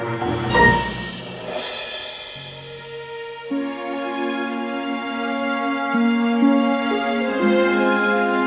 ya allah ya allah